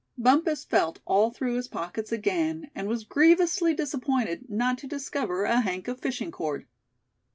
Bumpus felt all through his pockets again, and was grievously disappointed not to discover a hank of fishing cord.